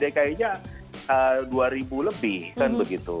sekolahnya dua ribu lebih kan begitu